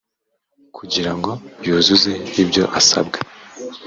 kugirango yuzuze ibyo asabwa